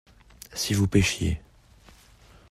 Si vous pêchiez.